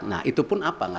nah itu pun apa